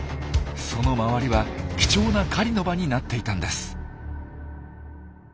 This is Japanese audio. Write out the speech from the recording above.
その周りは貴重な狩りの場になっていたんです。